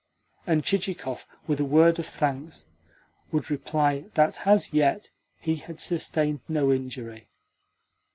and Chichikov, with a word of thanks, would reply that as yet he had sustained no injury.